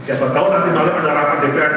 siapa tahu nanti malam ada rapat dprd